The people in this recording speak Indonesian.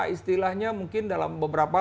istilahnya mungkin dalam beberapa